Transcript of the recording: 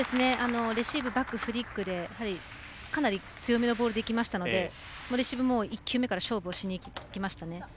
レシーブバック、フリックでかなり強めのボールでいきましたのでレシーブも１球目から勝負をしにいきましたね。